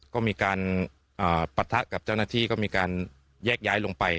ก็มีการปะทะกับเจ้าหน้าที่ก็มีการแยกย้ายลงไป